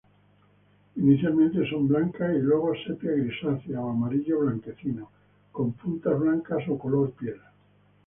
Inicialmente son blancas y luego sepia-grisáceas o amarillo-blanquecino, con puntas blancas o color piel.